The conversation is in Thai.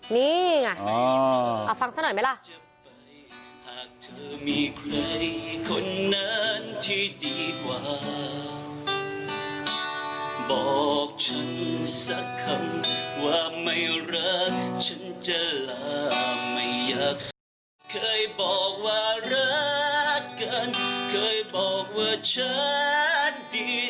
นี่ไงอ่าอ่าฟังซะหน่อยไหมล่ะ